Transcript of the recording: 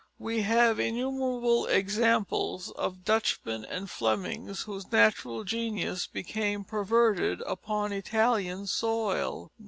We have innumerable examples of Dutchmen and Flemings whose natural genius became perverted upon Italian soil.